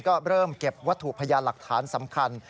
ก็เริ่มเก็บวัตถุพยานหลักฐานสำคัญ